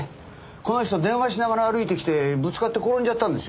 この人電話しながら歩いて来てぶつかって転んじゃったんですよ。